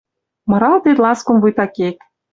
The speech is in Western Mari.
Мыралтет ласкон, вуйта кек.